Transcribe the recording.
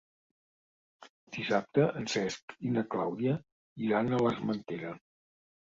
Dissabte en Cesc i na Clàudia iran a l'Armentera.